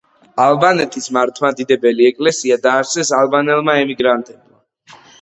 ალბანეთის მართლმადიდებელი ეკლესია დააარსეს ალბანელმა ემიგრანტებმა.